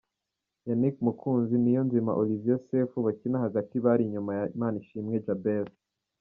Yannick Mukunzi na Niyonzima Olivier Sefu bakina hagati bari inyuma ya Manishimwe Djabel.